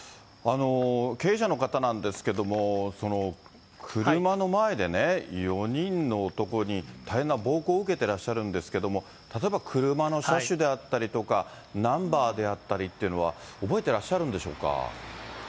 経営者の方なんですけども、車の前でね、４人の男に大変な暴行を受けてらっしゃるんですけれども、例えば車の車種であったりとか、ナンバーであったりっていうのは、覚えてらっしゃるんでしょうか。